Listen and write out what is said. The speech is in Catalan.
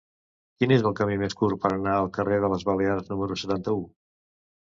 Quin és el camí més curt per anar al carrer de les Balears número setanta-u?